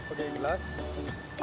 oh gelasnya di sini nih